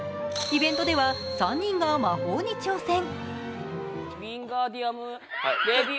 イベントでは３人が魔法に挑戦。